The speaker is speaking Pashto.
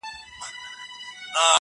تر بل هر تخنیکه ډیر پام کړی وای